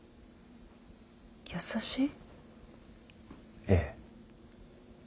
優しい？ええ。